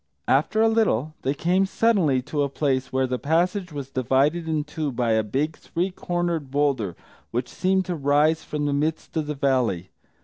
After a little they came suddenly to a place where the passage was divided in two by a big three cornered boulder which seemed to rise from the midst of the valley.